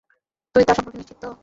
তুই তার সম্পর্কে নিশ্চিত, তো?